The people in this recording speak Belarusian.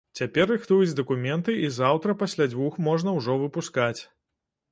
Цяпер рыхтуюць дакументы і заўтра пасля дзвюх можна ўжо выпускаць.